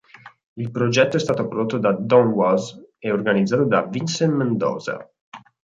Il progetto è stato prodotto da Don Was e organizzato da Vincent Mendoza.